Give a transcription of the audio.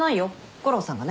悟郎さんがね。